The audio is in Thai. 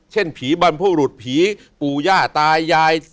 เช่นผีบรรพลุฤผีปูย่าตายยาย